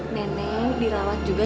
nenek dirawat juga